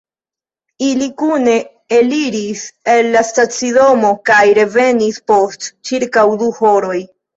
Ili kune eliris el la stacidomo kaj revenis post ĉirkaŭ du horoj.